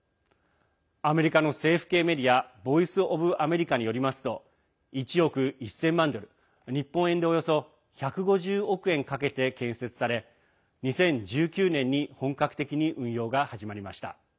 アメリカの政府系メディアボイス・オブ・アメリカによりますと１億１０００万ドル、日本円でおよそ１５０億円かけて建設され２０１９年に本格的に運用が始まりました。